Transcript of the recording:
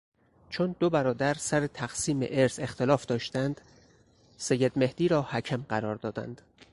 چون دو برادر سر تقسیم ارث اختلاف داشتند، سید مهدی را حکم قرار دادند.